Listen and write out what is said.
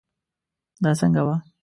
دا څنګه وه